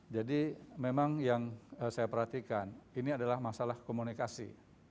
jadi memang yang saya perhatikan ini adalah masalah komunikasi